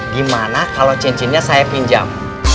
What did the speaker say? gimana kalau cincinnya saya pinjam